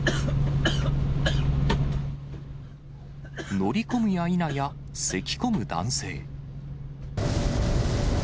乗り込むやいなや、せきこむ男性。